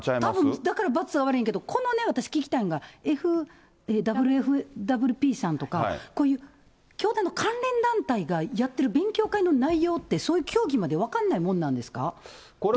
いまだからばつが悪いんだけど、私これ、聞きたいのは、ＷＦＷＰさんとか、こういう教団の関連団体がやってる勉強会の内容って、そういう教義まで分かんないものなんですか？